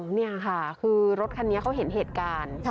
นี่ค่ะคือรถคันนี้เขาเห็นเหตุการณ์